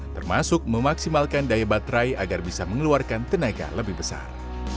termasuk memaksimalkan daya baterai agar bisa mengeluarkan tenaga lebih besar